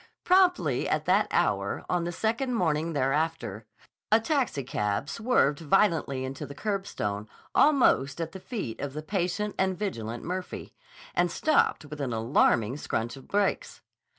Promptly at that hour, on the second morning thereafter, a taxicab swerved violently into the curbstone almost at the feet of the patient and vigilant Murphy, and stopped with an alarming scrunch of brakes.